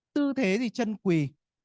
tư thế thì chân quỳ